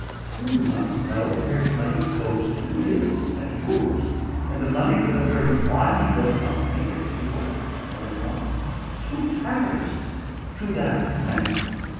"Do you not know where his money goes to? his and yours and the money for the very wine he does not drink at table?" I went on. "To Paris to that man!